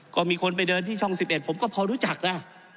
ก็มีคนไปเดินที่ช่อง๑๑ผมก็พอรู้จักนะ